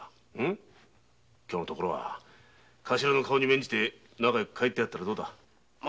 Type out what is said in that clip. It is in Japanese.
今日のところは頭に免じて仲よく帰ってやったらどうだ。